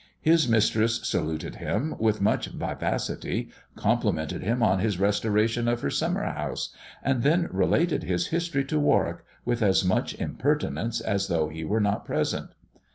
His mistress saluted him with much vivacity, complimented him on his restoration of her summer house, and then related his history to Warwick, with as much impertinence as though he were not present.